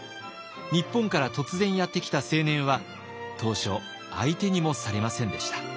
日本から突然やって来た青年は当初相手にもされませんでした。